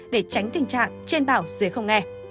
để tránh tình trạng trên bảo dưới không nghe